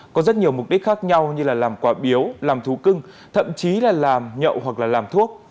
có rất nhiều mục đích khác nhau như là làm quả biếu làm thú cưng thậm chí là làm nhậu hoặc là làm thuốc